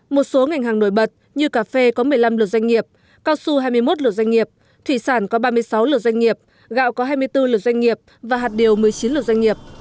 một số ngành hàng nổi bật như cà phê có một mươi năm luật doanh nghiệp cao su hai mươi một luật doanh nghiệp thủy sản có ba mươi sáu lượt doanh nghiệp gạo có hai mươi bốn lượt doanh nghiệp và hạt điều một mươi chín lượt doanh nghiệp